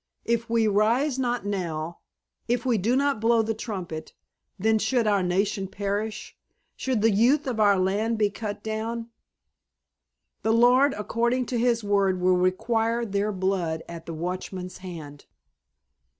If we rise not now, if we do not blow the trumpet, then should our nation perish, should the youth of our land be cut down, the Lord, according to His word will require their blood at the watchmen's hand."